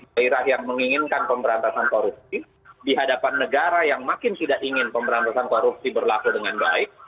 gairah yang menginginkan pemerantasan korupsi dihadapan negara yang makin tidak ingin pemerantasan korupsi berlaku dengan baik